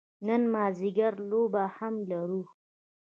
نن مازدیګر لوبه هم لرو.